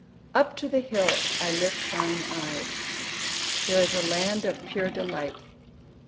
"Up to the hills I lift mine eyes." "There is a land of pure delight."